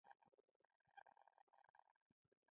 کورس د مهارت او تجربه ګډوالی دی.